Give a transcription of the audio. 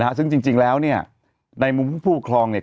ซึ่งจริงแล้วเนี่ยในมุมผู้ปกครองเนี่ย